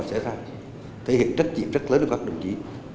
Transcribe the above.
chúng ta sẽ thể hiện trách nhiệm rất lớn cho các đồng chí